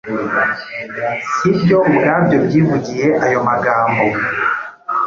si byo ubwabyo byivugiye ayo magambo